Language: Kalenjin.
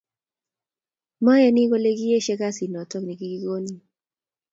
Mayani kole kiieshe kasit noto nikikikonin